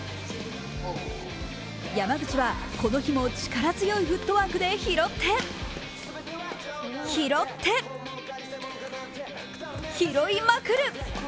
山口はこの日も力強いフットワークで拾って拾って、拾いまくる！